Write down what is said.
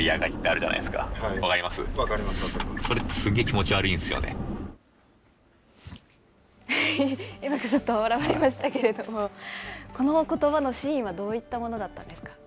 ちょっと笑われましたけども、このことばの真意はどういったものだったんですか。